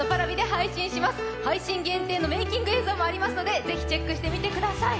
配信限定のメーキング映像もありますのでぜひチェックしてみてください。